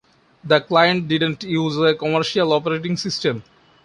The client didn't use a commercial operating system.